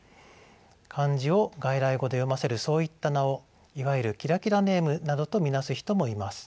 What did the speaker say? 漢字を外来語で読ませるそういった名をいわゆるキラキラネームなどと見なす人もいます。